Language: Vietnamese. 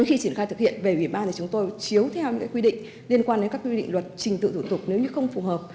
khi triển khai thực hiện về ủy ban thì chúng tôi chiếu theo những quy định liên quan đến các quy định luật trình tự thủ tục nếu như không phù hợp